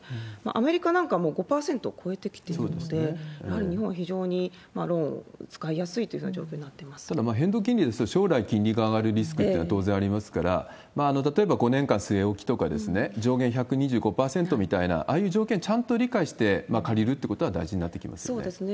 アメリカなんかはもう５％超えてきているので、やはり日本は非常にローン使いやすいというような状況になってまただ、変動金利ですと、将来金利が上がるリスクっていうのは当然ありますから、例えば５年間据え置きとか、上限１２５％みたいな、ああいう条件、ちゃんと理解して借りるっていうことが大事になっそうですね。